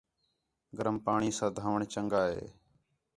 گرم پاݨی ساں ڈھوݨ چنڳا ہے